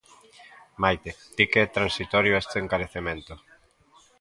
Maite, di que é transitorio este encarecemento...